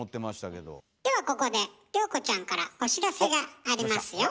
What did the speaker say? ではここで涼子ちゃんからお知らせがありますよ。